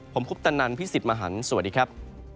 ผมคุปตะนันพี่สิทธิ์มหันฯสวัสดีครับ